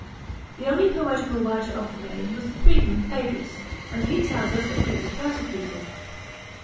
The only poetical writer of the rei<*n was the freedman PH^EDRUS, and he tells us that he was persecuted.